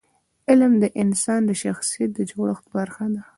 علم د انسان د شخصیت د جوړښت برخه ده.